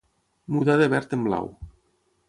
Mudar de verd en blau.